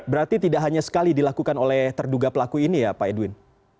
berarti tidak hanya sekali dilakukan oleh terduga pelaku ini ya pak edwin